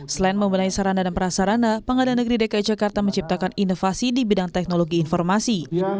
selain membenahi sarana dan prasarana pengadilan negeri dki jakarta menciptakan inovasi di bidang teknologi informasi